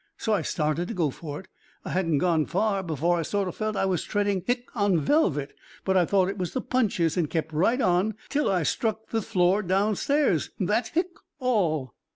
So I started to go for it. I hadn't gone far before I sort o' felt I was treading hic on velvet, but I thought it was the punches and kept right on, till I struck the floor downstairs. That hic 's all."